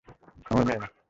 আমার মেয়ে, না!